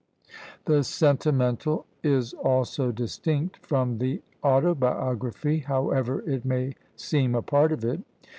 The sentimental is also distinct from the autobiography, however it may seem a part of it.